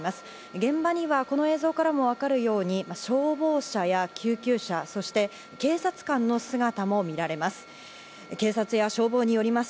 現場には、この映像からもわかるように消防車や救急車そして警察官の姿も見られます。